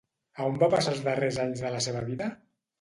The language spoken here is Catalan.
A on va passar els darrers anys de la seva vida?